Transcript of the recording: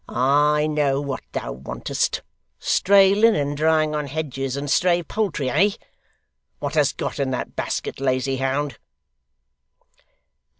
I know what thou want'st stray linen drying on hedges, and stray poultry, eh? What hast got in that basket, lazy hound?